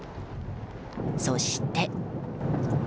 そして。